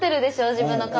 自分の顔。